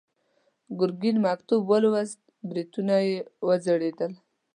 ګرګين مکتوب ولوست، برېتونه يې وځړېدل.